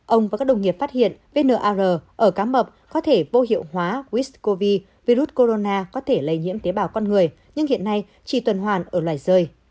ông và các đồng nghiệp phát hiện vnr ở cá mập có thể vô hiệu hóa wiscov virus corona có thể lây nhiễm tế bào con người nhưng hiện nay chỉ tuần hoàn ở loài rơi